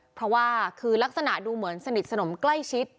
เพราะว่าคือลักษณะดูเหมือนสนิทสนมใกล้ชิด